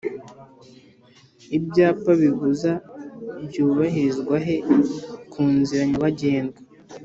Ibyapa bibuza byubahirizwahe kunzira nyabagendwa